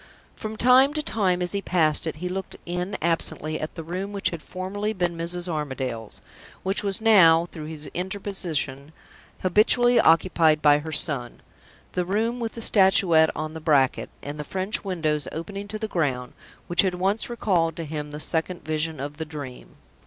From time to time, as he passed it, he looked in absently at the room which had formerly been Mrs. Armadale's, which was now (through his interposition) habitually occupied by her son the room with the Statuette on the bracket, and the French windows opening to the ground, which had once recalled to him the Second Vision of the Dream.